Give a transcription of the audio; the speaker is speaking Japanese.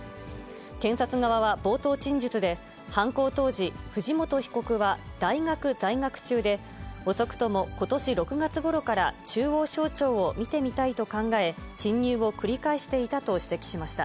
検察側は冒頭陳述で、犯行当時、藤本被告は大学在学中で、遅くともことし６月ごろから、中央省庁を見てみたいと考え、侵入を繰り返していたと指摘しました。